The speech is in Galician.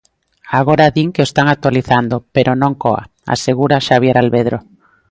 Agora din que o están actualizando, pero non coa, asegura Xabier Alvedro.